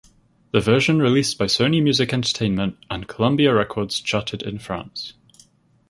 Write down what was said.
The version released by Sony Music Entertainment and Columbia Records charted in France.